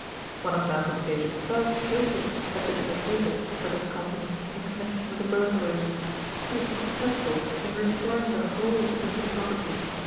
One of Malcolm Sage's first cases had been undertaken for this company in connection with a burglary. He had been successful in restoring the whole of the missing property.